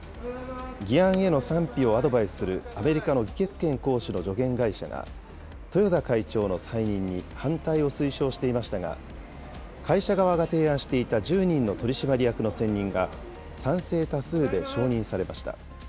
議案への賛否をアドバイスするアメリカの議決権行使の助言会社が、豊田会長の再任に反対を推奨していましたが、会社側が提案していた１０人の取締役の選任が賛成多数で承認されました。